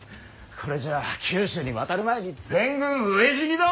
これじゃあ九州に渡る前に全軍飢え死にだ！